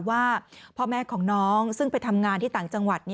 ว่าพ่อแม่ของน้องซึ่งไปทำงานที่ต่างจังหวัด